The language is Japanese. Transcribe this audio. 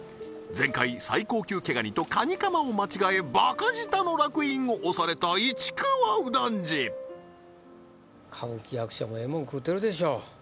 前回最高級毛ガニとカニカマを間違えバカ舌のらく印を押された市川右團次歌舞伎役者もええもん食うてるでしょ